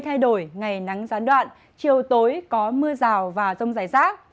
thay đổi ngày nắng gián đoạn chiều tối có mưa rào và rông rải rác